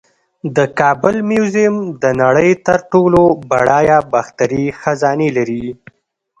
د کابل میوزیم د نړۍ تر ټولو بډایه باختري خزانې لري